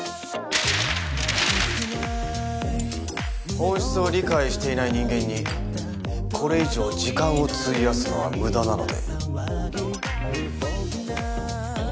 本質を理解していない人間にこれ以上時間を費やすのは無駄なので。